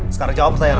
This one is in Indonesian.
sekarang jawab sayang